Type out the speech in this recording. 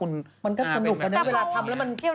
โดยเฉพาะผู้ใหญ่ที่มีวุฒิภาวะมากกว่าเด็ก